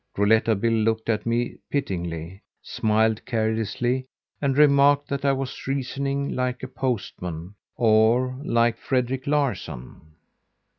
Rouletabille looked at me pityingly, smiled carelessly, and remarked that I was reasoning like a postman, or like Frederic Larsan.